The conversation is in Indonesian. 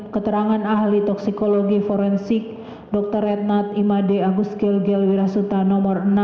keterangan ahli toksikologi forensik dr rednat imade agus gilgil wirasuta no enam dua puluh tiga